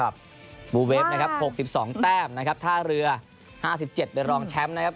บูเวฟนะครับ๖๒แต้มนะครับท่าเรือ๕๗เป็นรองแชมป์นะครับ